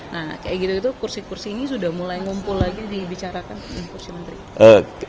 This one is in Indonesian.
nah kayak gitu gitu kursi kursi ini sudah mulai ngumpul lagi dibicarakan kursi menteri